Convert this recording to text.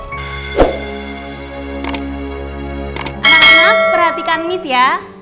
anak anak perhatikan miss ya